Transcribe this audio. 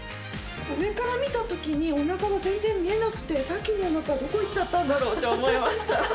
上から見た時にお腹が全然見えなくてさっきのお腹はどこいっちゃったんだろうって思いました。